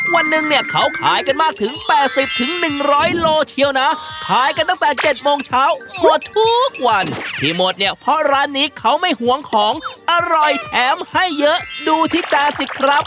วันหนึ่งเนี่ยเขาขายกันมากถึง๘๐๑๐๐โลเชียวนะขายกันตั้งแต่๗โมงเช้าหมดทุกวันที่หมดเนี่ยเพราะร้านนี้เขาไม่หวงของอร่อยแถมให้เยอะดูที่จาสิครับ